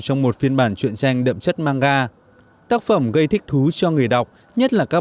trong một phiên bản truyện tranh đậm chất manga tác phẩm gây thích thú cho người đọc nhất là các